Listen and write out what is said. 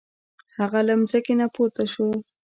هغه له ځمکې نه پورته شو.